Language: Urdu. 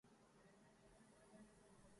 خوش ہوتے ہیں پر وصل میں یوں مر نہیں جاتے